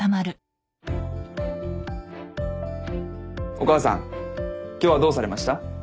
お母さん今日はどうされました？